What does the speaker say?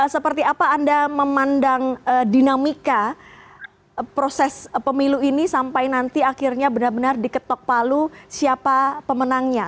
seperti apa anda memandang dinamika proses pemilu ini sampai nanti akhirnya benar benar diketok palu siapa pemenangnya